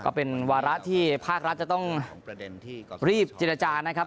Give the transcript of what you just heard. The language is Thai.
ก็เป็นวาระที่ภาครัฐจะต้องรีบเจรจานะครับ